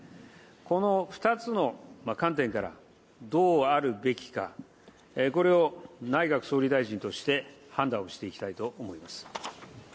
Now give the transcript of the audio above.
この２つの観点からどうあるべきか、これを内閣総理大臣として判断をしていきたいと思います。